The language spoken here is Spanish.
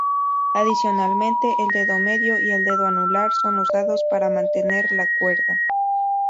Adicionalmente, el dedo medio y el dedo anular son usados para mantener la cuerda.